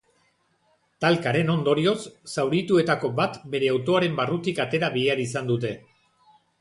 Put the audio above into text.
Talkaren ondorioz, zaurituetako bat bere autoaren barrutik atera behar izan dute.